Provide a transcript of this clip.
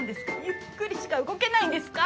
ゆっくりしか動けないんですか？